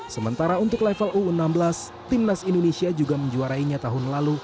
sementara untuk level u enam belas timnas indonesia juga menjuarainya tahun lalu